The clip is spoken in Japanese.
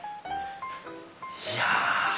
いや！